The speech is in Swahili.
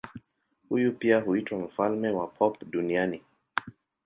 Huyu pia huitwa mfalme wa pop duniani.